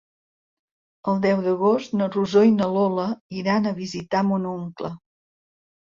El deu d'agost na Rosó i na Lola iran a visitar mon oncle.